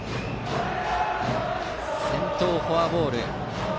先頭、フォアボール。